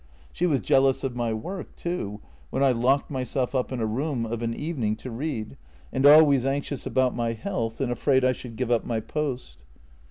She was jealous of my work too, when I locked myself up in a room of an evening to read, and always anxious about my health and afraid I should give up my post."